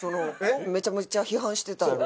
めちゃめちゃ批判してたやろ。